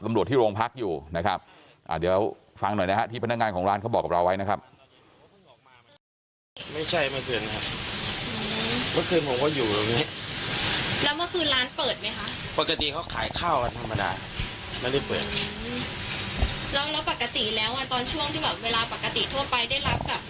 คุณผู้ชมว่าปกติแล้วอ่ะตอนช่วงที่แบบเวลาปกติทั่วไปได้รับแบบ